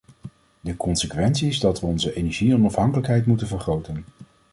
De consequentie is dat we onze energieonafhankelijkheid moeten vergroten.